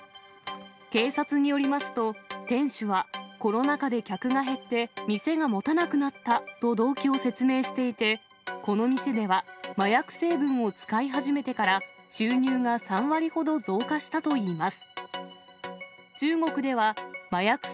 警察によりますと、店主はコロナ禍で客が減って店がもたなくなったと動機を説明していて、この店では、麻薬成分を使い始めてから収入が３割ほど増加したといいます。